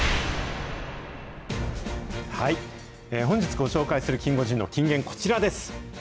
本日ご紹介するキンゴジンの金言、こちらです。